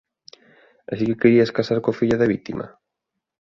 Así que querías casar coa filla da vítima?